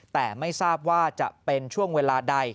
แต่ไม่ทราบว่าจะเป็นช่วงเวลาใด